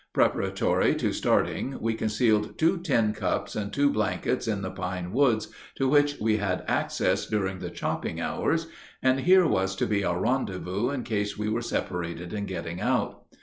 Preparatory to starting we concealed two tin cups and two blankets in the pine woods to which we had access during the chopping hours, and here was to be our rendezvous in case we were separated in getting out.